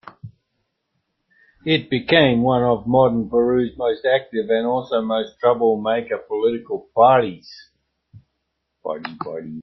It became one of modern Peru's most active and also most trouble-maker political parties.